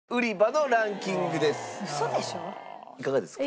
いかがですか？